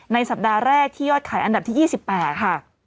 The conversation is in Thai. สัปดาห์แรกที่ยอดขายอันดับที่๒๘ค่ะ